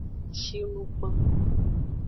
Shinugban.